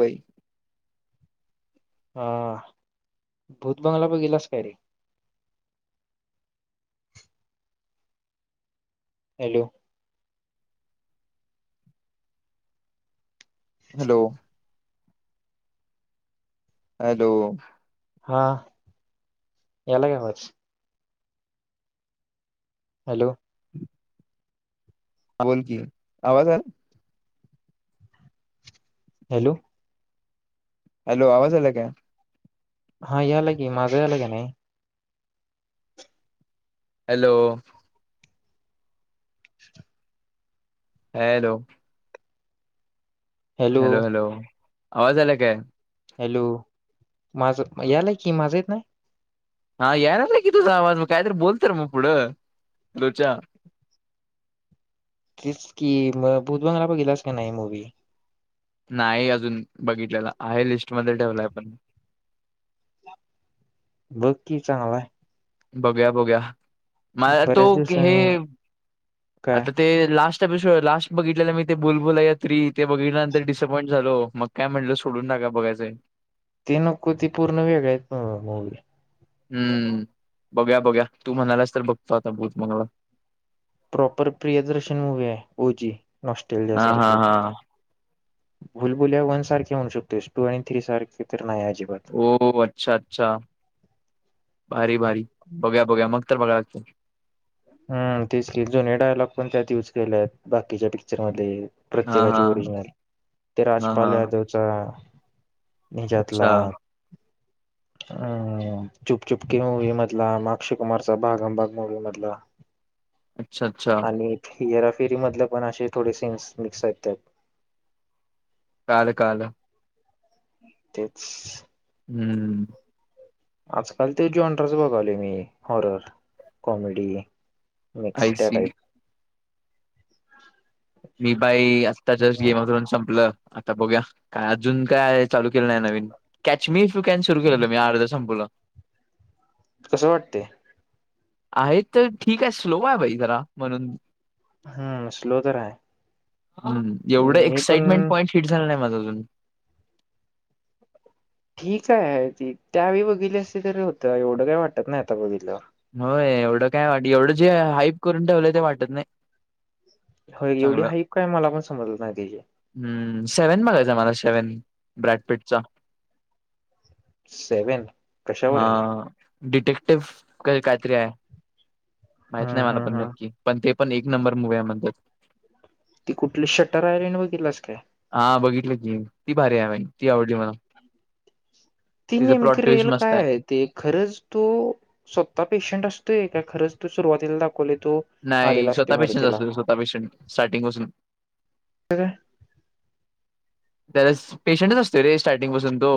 व्हय हां. भूत बंगला बगितलास काय रे? [inaudible] हॅलो. हॅलो हॅलो हा. यालायका आवाज? हॅलो. हां बोलकी आवाज आला हॅलो. हॅलो, आवाज आलाय का? हा याला की माझं यालाय का नाही? Hello. Hello. Hello hello आवाज यालाय काय? हॅलो माझ यालाय कि माझं येत नाही? हां यायलाय की तुझा आवाज. मग काय तरी बोल तर मग पुढं लोच्या. तेच की म भूतबंगला बगितलास का नाहीय मूवी नाही अजून बघितलेला. आहे लिस्टमध्ये ठेवलाय पण. बघकी चांगलाय. बगुया बगुया. मला तो बऱ्याच हे. दिवसांनी काय आता ते लास्ट एपिसोड लास्ट बघितला मी ते बुलबुलया थ्री ते बघितल्यानंतर डिसअपॉईंट झालो मग काय म्हटल सोडु पुन्हा काय बघायचायं? ते नको ती पूर्ण वेगळ न मूवी - - हम्म. बघ्या बघ्या तू म्हणालास तर बघतो आता भूत बंगला. प्रॉपर प्रियदर्शन मूवी् हाय ओजी ऑस्ट्रेलिया हा हा सारखी होती. हा भुलबुल्या वन सारखे म्हणू शकतोस. टू आणि थ्री सारखे तर नाही. अजिबात ओ अच्छा, अच्छा. भारी, भारी बघया बघया मग तर बघायलाचं पाहिजे. हम्म तेच के जुने डायलॉग पण त्यात युज केले आहेत. बा - कीच्या पिक्चर मध्ये हां, प्रत्येकाचे हां. ओरिजिनल ते हां, राजपाल हां. यादवचा - - अच्छा, निच्याातला - - अं आं आं चुपचुपकी मूवी मधला म अक्षय कुमार भागमबाग मूवी् मधला अच्छा अच्छा. आणि हेराफेरी मधले पण असे थोडे सीन्स मिक्स आहेत्या त. कळालं कळालं. तेच. हम्म. आजकाल ते जॉन्टरच बघालोय मी हॉरर, कॉमेडी आय नेक्स्ट त्या सी. टाइप. मी बाई आत्ता जस्ट गेमवरून संपलं. आता बघुया काय अजून काय चालू केलं नाही नवीन. कॅचमी तू कॅन्सल केलेलं मी अर्ध संपवलं. कसं वाटतय? आहेत तर ठीक आहे स्लो आहे बाई जरा म्हणून. हम्म स्लो तर हाय. हम्म एवढं एक्साइटमेंट पॉइंट हिट झालं नाही माझ अजून. ठीक आहे ती त्यावेळी बघितली असली तरी होत. एवढं काय वाटत नाही आता बघितल्यावर. होय एवढं काय वाट एवढं जे हाईप करून ठेवलंय ते वाटत नाही. हो एवढी हायक काय मला पण समजल नाही त्याजी. हम्म सेव्हन बघायचं मला सेव्हन, ब्रॅडपीटचा. सेवेन? हा. डिटेक्टिव का काहीतरी हाय. माहित हम्म नाही मला हम्म पण हम्म नक्की. पण ते पण एक नंबर मुव्ही हाय म्हणत्यात. ती कुठली शटर राहिली आणि बघितलास काय? हा बघितलं की, ती भारी आहे भाई ती आवडली मला. ती तिचा प्लॉट नेमकी ट्विस्ट रिल मस्त काय आहे ते खरंच तो स्वत पेशंट असत तोय काय खरच त्यो सुरवातीला डा नाही स्वतः पेशंट असत स्वतः पेशंट स्टार्टिंग पासून. हा काय. त्याला पेशंटच असतोय रे स्टार्टिंग पासून तो.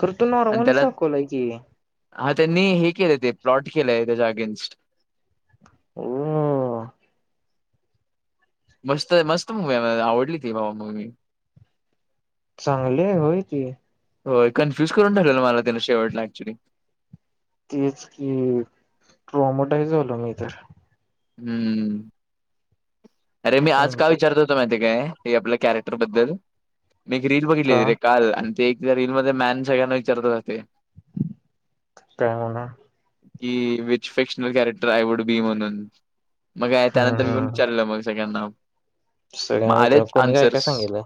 खर तो आणि नॉर्मलच त्याला दाखवल आहे की. हा त्यांनी हे केलं ते प्लॉट केलंय त्याच्या अगेन्स्ट. हो. मस्त मस्त मूवी आहे आवडली ती भावा मूवी. चांगली हाय व्हय ती? होय. कन्फ्युज करून ठेवलेला मला त्याला शेवटला ऍक्च्युली. तेच कि ट्रोमोटाई झा झालो मी तर. हम्म. अरे मी आज का त्यांचे विचारतो होतो माहिती काय ते आपल्या करेक्टर बद्दल. मी एक रील का बघितलेली रे काल आणि ते रीलमध्येध्ये मॅन सगळ्यांना विचारतच असतय काय हो ना. की which fictional character I would be म्हणून. मग का हम्म त्यानंतर येऊन हम्म विचारलेलं मग सगळ्यांना. मग सगळ्यांना आलेत कोणी काय काय अनसर्स. सांगितलं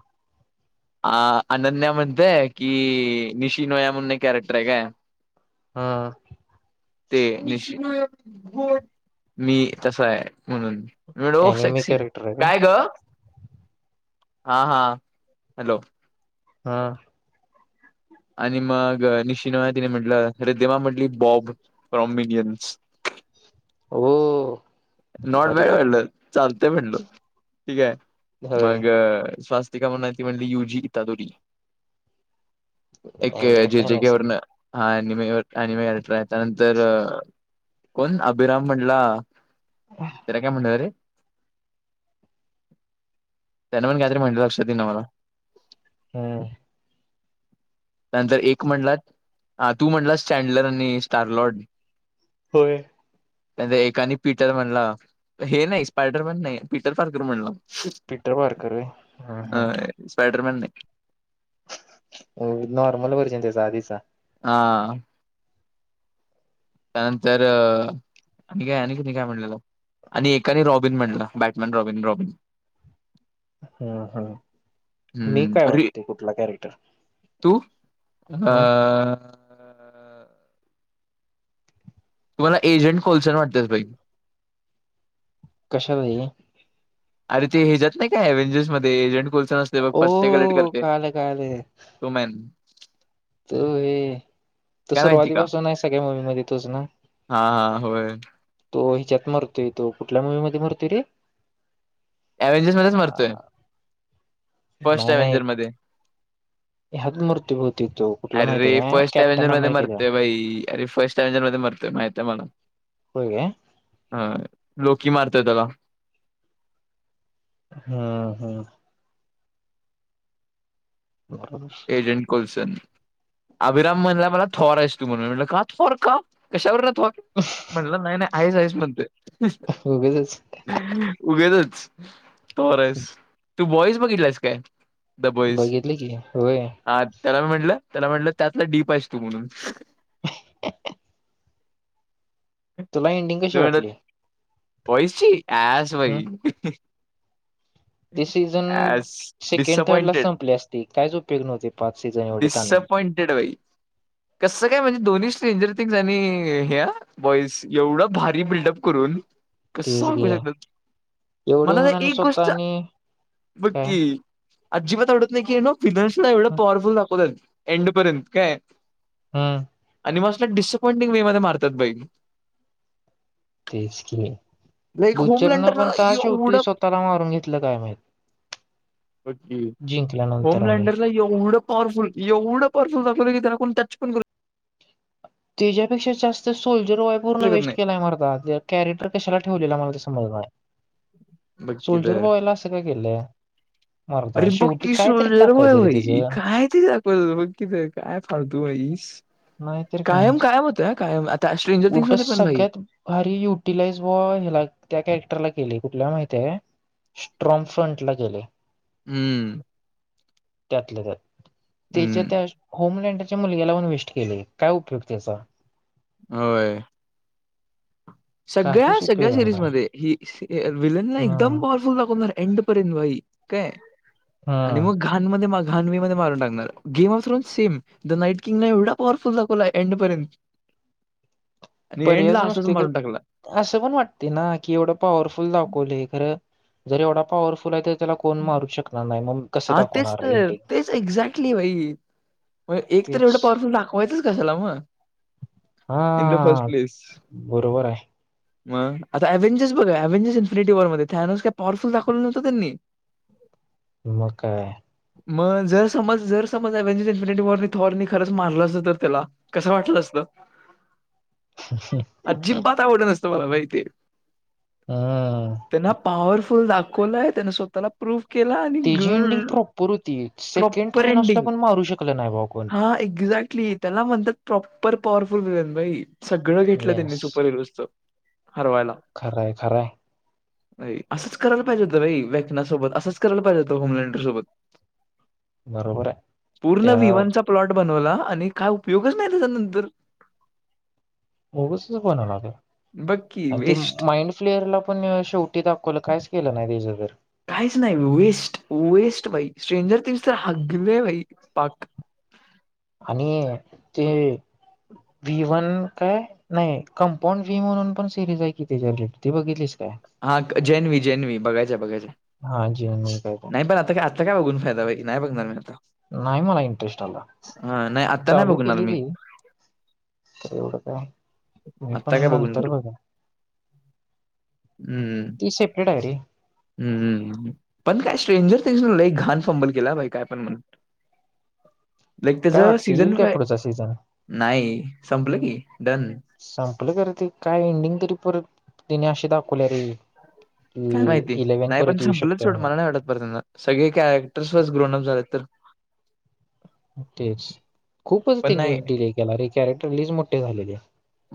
अ अनन्या म्हणतय कि निशीनोया म्हण कॅरेक्टर आहे काय. हा ते मी तस आहे म्हणून मडोफ अनिमी सेक्सी. कॅरेक्टर आहे काय ग? हा हा हॅलो. हा. आणि मग निशिन तिने म्हटलं रिदिमा म्हटली बॉब फॉम्बिडियन्स. [inaudible] हो नॉट ब भारी वाटलं चालतय म्हणलो ठीक आहे. होय मग स्वस्तिका मनालती म्हणली यूजी हिता तुमि एक अनिमे जे फॅन जे के आहेस की? वरन. हा अनिमेवर अनिमे अल्ट्रा आहे. त्यानंतर कोण अभिराम म्हटला तिला काय म्हनणेल रे त्यांना पण कायतरी म्हणलिती लक्षात येई ना मला हम्म नंतर एक म्हटला तू म्हणटला स्टँडलर आणि स्टारलॉर्ड होय त्या एकानी पीटर म्हणला हे नाही स्पायडर मन नाही पीटर पार्कर म्हणला पीटर पारकर होय हम्म अ स्पायडरमॅन नाही नॉर्मल वरजन त्याचा आधीचा हा त्यानंतर आणि काय आणि कुनी काय म्हणलेलं आणि एकाने रॉबिन म्हटलं बॅटमॅन रॉबिन रॉब हम् हम मी हम्म काय अरे वाटते कुठला कॅरेक्टर तू अ हम्म तुम्हाला एजंट कोलसर वाटतेस भाई कशा पाई अरे ते ह्याच्याात नाही अव्हेंजर्स मध्ये एजंट को स् कलेक्ट ओ करते कळालं तो मन त हे तो काय माहिती का? सुरुवातीपासून आहे सगळ्या मुवीमध्येध्ये तोच ना हां, हां. होय तो हिच्यात मरतोय तो कुठल्या मुवी मध्ये मरतोय रे अव्हेंजर मध्येच मरतोय फर्स्ट नाही नाही अव्हेंजर मध्ये ह्यात मृत्यू होती तो कुठला माहितीय अरेे काय फर्स्ट अव्हेंजर कॅप्टन मध्ये अमेरिकेचा मरतेय बाई अर फस्ट डिंजन मध्ये मरतय माहित आहे मला होय काय हां. लोकी मारतय त्याला हम्म हम्म बरोबर एजंट कोल्सन अभिराम म्हणला मला थोर आहेस तू म्हण म्हट का थोर का कशावर तो म्हटलं नाही नाही आहेस आहेस म्हणते उगचच उगचच तू बरा आहेस तू बॉईस बघितलास काय द बॉईज बघितली की व हा त्याला मी म्हटलं त्याला म्हटलं त्यातला डीप आहे तू म्हणून तुला एनडिंग कशी वाटली वयची आश वई हम्म ते सीझन सेकंड थर्ड ला डिसअपॉइंटेड संपले असते काहीच उपयोग नव्हते पाच सीझन एवढे त पॉइंटेड बाई कसं काय म्हणजे दोन्ही स्ट्रेंजर थिंग् आणि ह्या वॉईस एवढं भारी बिल्डअप करून कस तेच घे सांगू शक एवढं मला होऊन आणि एक स्वतः गोष्ट आणि ब काय कि अजिबात आवडत नाही की न विनर्श ना एवढं पॉवरफुल दाखवतात एंडपर्यंत काय हम आणि मस्ला डिअपॉइंटिंग वे मारतात बई तेच कि लाईक होम बुचरनं लँडरला पण का शेवटी एवढं स्वतःला मारून घेतलं काय माहित ओ जिंकल्यानंतर होम आणि लँंडरला एवढं पॉवरफुल एवढं पॉवरफुल जातवलं की त्याला को टच पण करू त्याच्यापेक्षा जास्त सोल्जर वाय पूर्ण शकत वेस्ट नाही. केलाय मारता कॅरेटर कशाला ठेवलेला मार ज बघ की सुलजर तर बवायला असं का केलंय मर्दा अरे शेवटी पक्की काय तरी दाखवायचं रे सरयई त्याचं काय त दाखव मकीि काय फालतू तेस नाहीत स्ट्रेंजर थिंग्स उलट मध्ये पण भाई सगळ्यात भारी युटिलाइज वला त्या कॅरेक्टरला केली कुठल्या माहिे स्ट्रॉग फ्रंट ला केले हम्म त्यातल्या त्यात त्याच्या हम्म त्या होम रलेंडच्या मुलग्याला पण वेस्ट केले काय उपयोग त्याचा होय सगळ्या काहीच उपयोग सगळ्या झाला नाही सिरीजमध्ये ही विलन ला हम्म एकदम पॉवरफुल दाखवणार एंड पर्यंत भाई काय आणि हम्म मग घणमध्येध्ये माग घानवी मध्ये मारून टाकणार गेम ऑफून सेम द नाईट किंग ना एवढा पॉवरफुल दाखवला एंड पर्यंत ह आणि एंडला असंच मरून असं पण वाटते ना कि एवढं पॉवरफुल दाखवले खरं जरी एवढापावर फुलाय तर त्याला कोण मारू शकणार नाही मग कसं हा तेच दाखवणार तर एंडिंग तेच एक्झॅक्टली भाई मग एक तर तेच एवढं पॉवरफुल दाखवायचंच कशाला मग हा इन द फर्स्ट बरोबर आहे म आता ऍव्ंजर्स बघा व्ंजस इन्फिटी वरध्येनस काही पॉवरफुल दाव नव्हत त्यांनी म म काय मग जर समज जर समज अव्ंजर इन्फिनिट वॉ थॉर्नी खरंच मारलं असत तर त्याला कसं वाटलं असतं [unintelligible] ला माहि हम्म त्यांना पॉवरफुल दाखवलंय त्यांना स्वतःला के आणि त्याची एंडिंग प्रॉपर होती सेकंड प्रॉपर थायनॉसला एंडिंग पण मारू शकलं नाही भाऊ कोण हा ए क्झॅक्टली त्याला म्हणतात प्रॉपर पॉवरफुलन बा सगळं घेतलं त्यांनी सुपर हिरोजचं हरवायला. खरंय खरंय असंच करायला पाहिजे होतं बाई व्यकनासोबत असंच करायला पाहिजे होतं होमलेंट सोबत बरोबर आहे पूर्ण त्या विवांचा प्लॉट बनवला आणि काय उपयोगच नाही त्याच्या नंतर गच पणला की आणि ते वेस्ट. माइंड फ्लेअर ला पण शेवटी दाखवलं कायच केलं नाही त्याचं तर काहीच नाही वेस्ट वेस्ट बाई स्ट्रेंजर तनस तर हगले भाई पाक आणि ते व्ही वन काय नाही कंपाऊंड व्ही म्हणून पण सिरीज आहे की त्याच्याट ती बघितलीच काय हा जेन्वी जेन्वी बघायचा बघायच हा जीवन मी काका. आता काय बघून फादाई नाही बघणार आता. नाही मला इंटरेस्ट आला हां, नाही आता नाही चालू बघणार केली मी. ती. तर एवढं काय मी पण आता काय बघून नंतर करू. बघा. हम्म ती सेपरेट आहे रे हम्मम् पण काय स्ट्रेंजर ते, घाण फंबल केला भाई काय पण म्हण. लाइक काय त्याचं वाटत येईल सीझन काय पुढचा सीझन. नाही, संपलं की. डन. संपलं ख ते काय एंडिंग तरी परत, त्यानीं अशी दाखवल्या रे. काय की माहिती इलेव्हन नाही पण परत येऊ संपलं शकते सोडं मला म्हणून नाही वाटत पर त्यांना सगळे कॅरेक्टर्स व ग्रोनप झालेत तर. तेच खूपच पण त्यानी नाही डिले केला रे कॅरेक्टर लइच मोठे झालेले.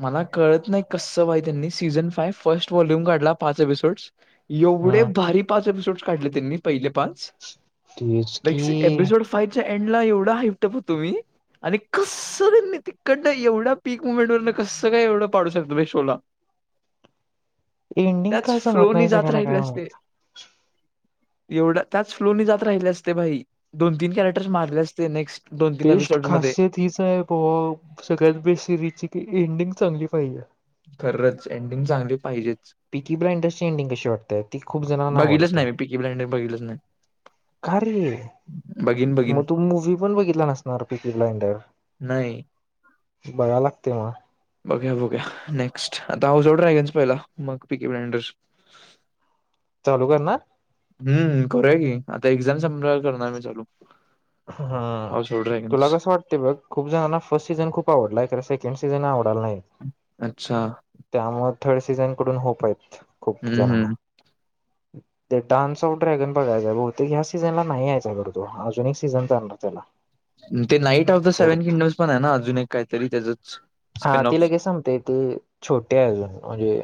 मला कळत नाही कससं भाई त्यांनी सीझन फाइव्ह फर्स्ट वॉल्यूम काढला पाच एपिसोड्स एवढे हम्म भारी पाच एपिसोड्स काढ त्यांनी पहिले पाच. तेच की एड ला एवढा हाफट होतुम्ही. आणि कसं त्यांनी तिकड एवढ्या पीक मुमेंट व कसं काय एवढं पाडू शकतात म शोला. [unintelligible] एंडिंग त्याच का जमत नाही सगळ्यांना काय म्हणायचं. एवढं त्याच फ्लो न जात राहिले असते भाई दोन तीन कॅरेक्टरस मारले असते नेक्स्ट दोन तीन. बेस्ट मध्ये. खासियत हीच आहे ब सगळ्यात बेस्ट सिरीजची की एंडिंग चांगली पाहिजे. खरंच एंडिंग चांगली पाहिजे. पिककीबायडिंग ची एंडिंग कशी वाटतेय ती खूप जणांना बघितलंच आवडते. नाही मी पिकी ब्लाइंडर बघितलंच नाही कारे. बघीन बघीन मग तू मूवी् पण बघितला नसणार पीकी ब्लाइंडर. नाही. बघायला लागते म. बघ्या बघ्या नेक्स्ट आता हाऊस ऑफ ऑफ ड्रॅगन्स पहिला मग पीकी ब्ँडर्. ह [unintelligible] हम्म करूय की आता एझाम संपल्या वार करणार मी चालू. हम हाऊस ऑफ तुला ड्रॅगन्स. कसं वाटतते बघ खूप जणांना फर्स्ट सीझन खूप आवडलाय. सेकंड सीझन आवडाला नाही अच्छा त्यामुळे थर्ड सीझन कडून होप आहेत. खूप हम्म जाणना. हम्म द डान्स ऑफ ड्रॅगन बघायच बहुतेक ह्या सीझन ला नाही यायचा खरं तो अजून स चालणार त्याला. ते night of the seven fourth kingdoms पण आहे ना अजून एक काहीतरी त्याचं. हा तिला लगेच संपतंय ते छोटे आहे म्हणजे.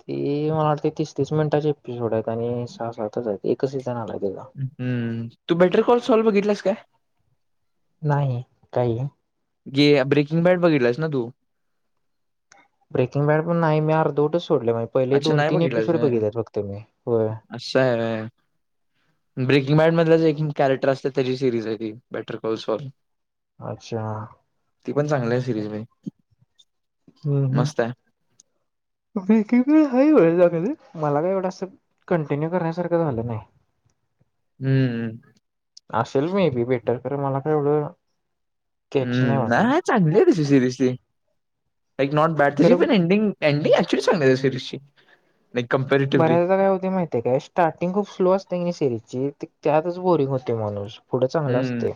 ते मला वाटते तीस तीस मिनिटाचे एपिसोड आहेत आणि सहा सातच आहेत एक. हम्म तू बॅटर कॉल सॉल्व बघितलास काय. नाही काही. गे ब्रेकिंग बॅट बघितलास ना तू. ब्रेकिंग बॅड पण नाही मी अर्धोटच सोडणज पहिले अच्छा दोन नाही तीन बघितलास एपिसोड व्हय. बघितले फक्त मी होय. असं आहे व्हय ब्रेकिंग बॅट मधच एक कॅरेक्टर असते त्याची सिरीज आहे ती बॅटर कॉल्स व. अच्छा ती पण चांगली आहे सिरीज रे. हम् हम्म. ह वेळग मला का एवढं अस कंटिन्यू करण्यासारखं झालं नाही. [inaudible] हम्म. असेल मे बी बेटर कर मला का एवढं. कॅची हम्म वाटलं नाही चांगली आहे तसशी दिसी. लाईक नॉट कारण बॅटीन एंडिंग एंडिंग क्चुली चांगली सिरीजची. Like comparatively. बऱ्याच काय होते माहितीय काय स्टार्टिंग खूप स्लो असते. री त्यातच बोरिंग होते माणूस पुढं चांगला हम्म. असते,